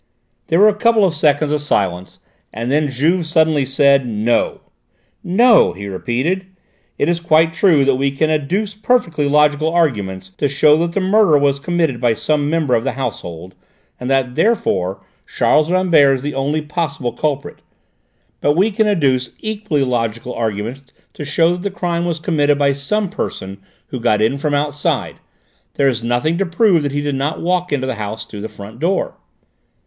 There were a couple of seconds of silence, and then Juve suddenly said "No!" "No!" he repeated; "it is quite true that we can adduce perfectly logical arguments to show that the murder was committed by some member of the household and that, therefore, Charles Rambert is the only possible culprit; but we can adduce equally logical arguments to show that the crime was committed by some person who got in from outside: there is nothing to prove that he did not walk into the house through the front door."